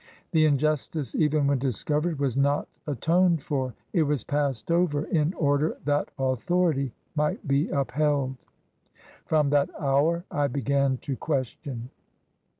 The injustice, even when discovered, was not atoned for : it was passed over — in order that authority might be upheld. From that hour I began to question.